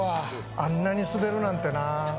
あんなにスベるなんてな。